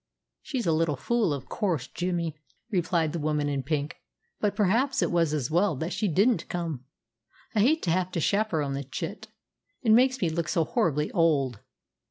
"She's a little fool, of course, Jimmy," replied the woman in pink; "but perhaps it was as well that she didn't come. I hate to have to chaperon the chit. It makes me look so horribly old."